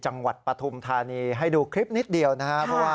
จังหวัดปททานีให้ดูคลิปนิดเดียวครับ